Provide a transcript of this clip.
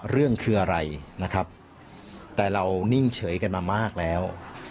เรื่องคืออะไรนะครับแต่เรานิ่งเฉยกันมามากแล้ว